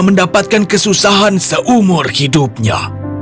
mendapatkan kesusahan seumur hidupnya